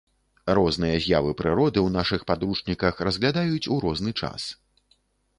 Розныя з'явы прыроды ў нашых падручніках разглядаюць у розны час.